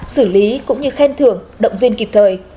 xử lý cũng như khen thưởng động viên kịp thời